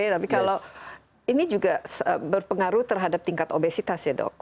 tapi kalau ini juga berpengaruh terhadap tingkat obesitas ya dok